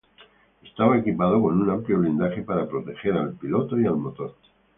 Estaba equipado con un amplio blindaje para proteger al piloto y al motor.